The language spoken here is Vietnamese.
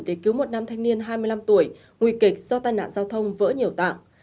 để cứu một nam thanh niên hai mươi năm tuổi nguy kịch do tai nạn giao thông vỡ nhiều tạng